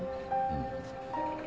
うん。